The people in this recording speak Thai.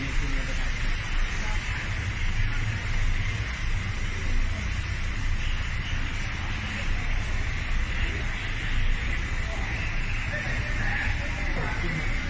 นี่คือเมืองแหละครับ